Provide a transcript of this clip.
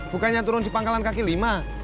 bukannya turun di pangkalan kaki lima